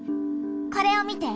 これを見て！